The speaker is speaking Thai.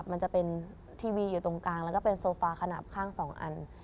มันจะเป็นทีวีอยู่ตรงกลางแล้วก็เป็นโซฟาขนาดข้าง๒อัน